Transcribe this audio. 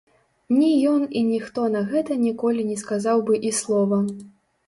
Ні ён і ніхто на гэта ніколі не сказаў бы і слова.